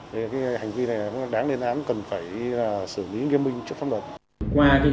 thì hành vi này đáng lên án cần phải xử lý nghiêm binh trước phong đoạn